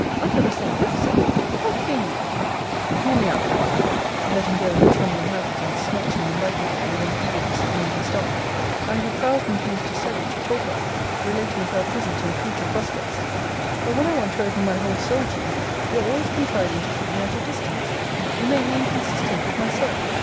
'Under the same roof, Sir! How came you 'Hear me out, Madam [letting go her trembling hands, and snatching them back again with an eagerness that made her start] I have a thousand things to say, to talk of, relating to our present and future prospects; but when I want to open my whole soul to you, you are always contriving to keep me at a distance. You make me inconsistent with myself.